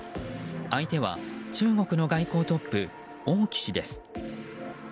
相手は中国の外交トップ王毅氏です。